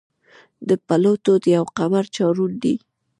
د پلوټو یو قمر چارون دی.